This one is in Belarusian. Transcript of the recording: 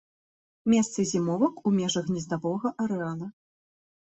Месцы зімовак у межах гнездавога арэала.